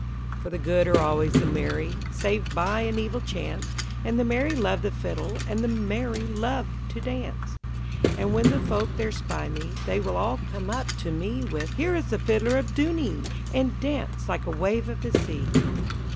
For the good are always the merry, Save by an evil chance, And the merry love the fiddle, And the merry love to dance. And when the folk there spy me, They all come up to me, With, "Here is the fiddler of Dooney !" And dance like a wave of the sea.